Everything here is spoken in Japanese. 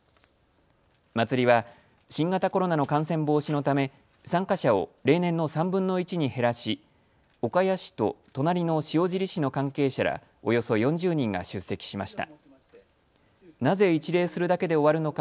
祭りは新型コロナの感染防止のため参加者を例年の３分の１に減らし岡谷市と隣の塩尻市の関係者らおよそ４０人が出席しました。